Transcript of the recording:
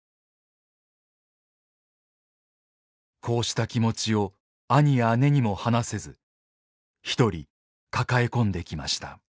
こうした気持ちを兄や姉にも話せず一人抱え込んできました。